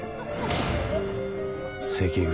関口